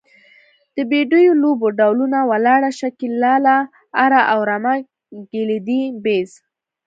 د بډیو لوبو ډولونه، ولاړه، شکیلاله، اره او رمه، ګیلدي، بیز …